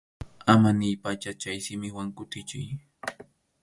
Ama niypacha chay simiwan kutichiy.